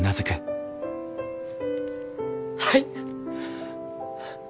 はい！